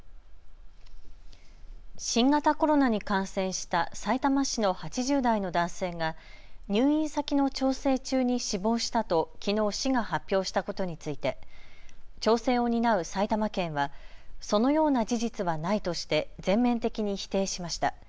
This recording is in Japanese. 新型コロナに感染したさいたま市の８０代の男性が入院先の調整中に死亡したときのう市が発表したことについて調整を担う埼玉県はそのような事実はないとして全面的に否定しました。